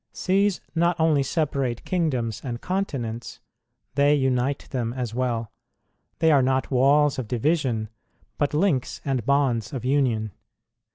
Seas not only separate kingdoms and continents, they unite them as well ; they are not walls of division, but links and bonds of union.